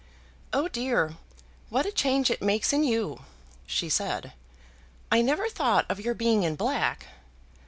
"Oh, dear, what a change it makes in you," she said. "I never thought of your being in black."